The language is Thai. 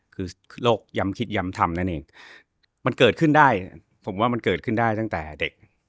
คือโรคย้ำคิดย้ำทำนั่นเองมันเกิดขึ้นได้ผมว่ามันเกิดขึ้นได้ตั้งแต่เด็ก